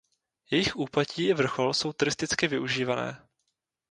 Jejich úpatí i vrchol jsou turisticky využívané.